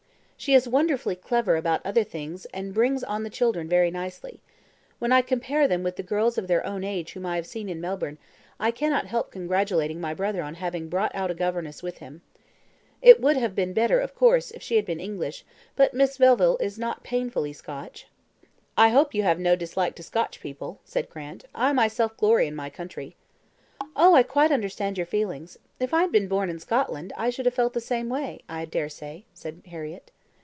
"She is wonderfully clever about other things, and brings on the children very nicely. When I compare them with the girls of their own age whom I have seen in Melbourne, I cannot help congratulating my brother on having brought out a governess with him. It would have been better, of course, if she had been English, but Miss Melville is not painfully Scotch." "I hope you have no dislike to Scotch people," said Grant. "I myself glory in my country." "Oh, I quite understand your feelings. If I had been born in Scotland, I should have felt the same, I dare say," said Harriett.